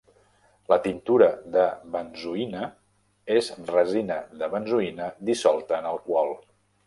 La tintura de benzoïna és resina de benzoïna dissolta en alcohol.